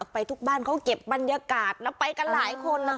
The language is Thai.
ไปทุกบ้านเขาเก็บบรรยากาศนะไปกันหลายคน